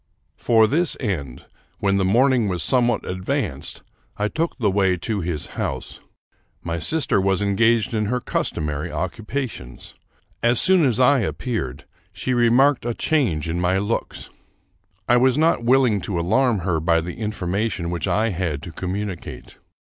For this end, when the morning was some what advanced, I took the way to his house. My sister was engaged in her customary occupations. As soon as I ap peared, she remarked a change in my looks. I was not willing to alarm her by the information which I had to com municate.